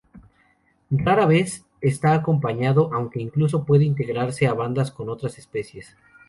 Rara vez está acompañado, aunque incluso puede integrarse a bandas con otras especies.